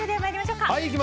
いきましょう！